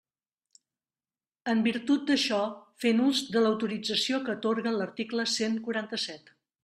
En virtut d'això, fent ús de l'autorització que atorga l'article cent quaranta-set.